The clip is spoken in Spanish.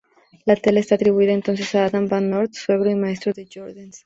La tela estaba atribuida entonces a Adam van Noort, suegro y maestro de Jordaens.